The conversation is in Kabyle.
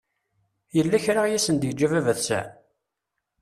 Yella kra i asen-d-yeǧǧa baba-tsen?